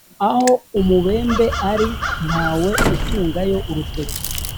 Aho umubembe ali ntawe utungayo urutoki.